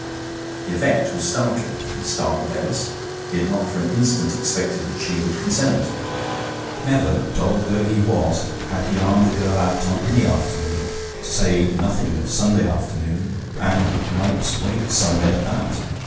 The effect was startling. It startled Ellis. He had not for an instant expected that she would consent. Never, dog though he was, had he armed a girl out on any afternoon, to say nothing of Sunday afternoon, and Knype's Wakes Sunday at that!